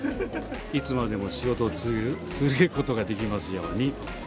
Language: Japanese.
いつまでも仕事を続ける事ができますように。